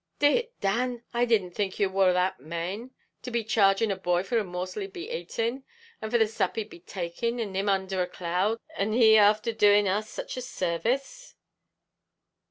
"D n it, Dan, I didn't think you war that main, to be charging a boy for the morsel he'd be ating, an' the sup he'd be taking, an' him undher a cloud, an' he afther doing us sich a sarvice."